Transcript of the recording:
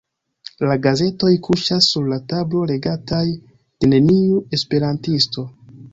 La gazetoj kuŝas sur la tablo, legataj de neniu esperantisto.